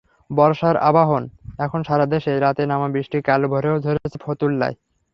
বর্ষার আবাহন এখন সারা দেশেই, রাতে নামা বৃষ্টি কাল ভোরেও ঝরেছে ফতুল্লায়।